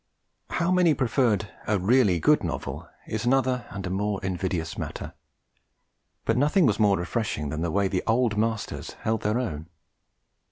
How many preferred a really good novel is another and a more invidious matter; but nothing was more refreshing than the way the older masters held their own.